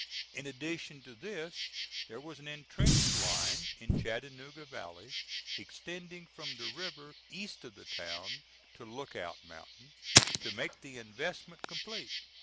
In addition to this there was an intrenched line in Chattanooga valley extending from the river east of the town to Lookout Mountain, to make the investment complete.